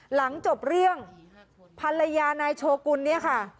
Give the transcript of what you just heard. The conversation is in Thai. หลังจบเรื่องภรรยานายโชกุลเนี่ยค่ะ